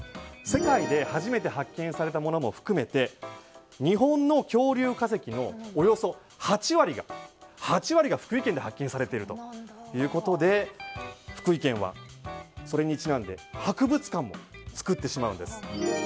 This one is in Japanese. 世界で初めて発見されたものも含めて日本の恐竜化石のおよそ８割が福井県で発見されているということで福井県はそれにちなんで博物館も作ってしまうんです。